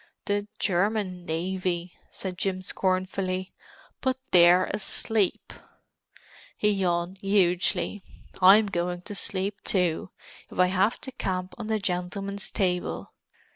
"The German navy!" said Jim scornfully. "But they're asleep!" He yawned hugely. "I'm going to sleep, too, if I have to camp on the gentleman's table.